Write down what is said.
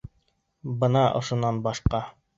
Бына ошонан башҡа.